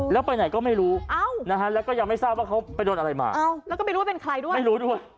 แล้วก็ไม่รู้ว่าเป็นใครด้วยอ้าว